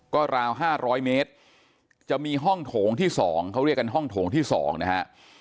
ก็ราว๕๐๐เมตรจะมีห้องโถงที่๒เขาเรียกกันห้องโถงที่๒นะฮะ